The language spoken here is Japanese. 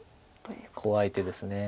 怖い手です。